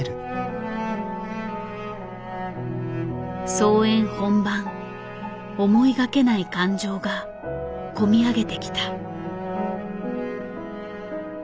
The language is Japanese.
操演本番思いがけない感情が込み上げてきた。